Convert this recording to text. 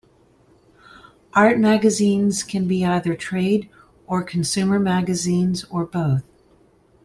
Art magazines can be either trade or consumer magazines or both.